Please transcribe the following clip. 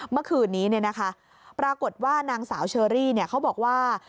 เมื่อคืนนี้ปรากฏว่านางสาวเชอรี่เขาบอกว่า